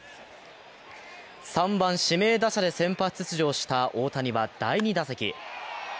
３番・指名打者で先発出場した大谷は第２打席。